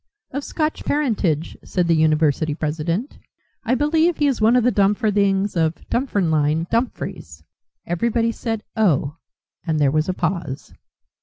"Of Scotch parentage," said the university president. "I believe he is one of the Dumfarthings of Dunfermline, Dumfries." Everybody said "Oh," and there was a pause.